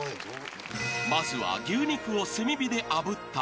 ［まずは牛肉を炭火であぶったもの］